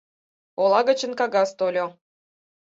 Ола гычын кагаз тольо